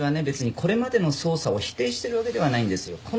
別にこれまでの捜査を否定してるわけではないんですよ。